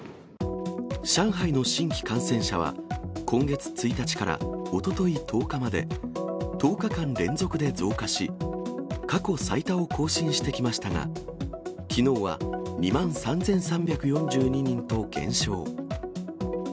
上海の新規感染者は、今月１日からおととい１０日まで、１０日間連続で増加し、過去最多を更新してきましたが、きのうは２万３３４２人と減少。